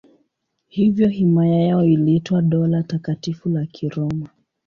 Hivyo himaya yao iliitwa Dola Takatifu la Kiroma.